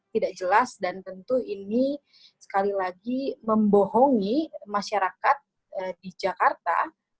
tidak jelas dan tentu ini sekali lagi membohongi masyarakat di jakarta